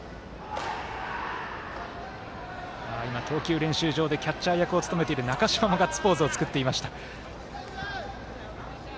今、投球練習場でキャッチャー役を務めている中嶋も、ガッツポーズを作っていました。